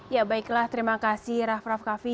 ya baiklah terima kasih raff raff kaffi